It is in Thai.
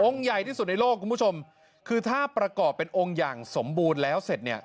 ใหญ่ที่สุดในโลกคุณผู้ชมคือถ้าประกอบเป็นองค์อย่างสมบูรณ์แล้วเสร็จเนี่ย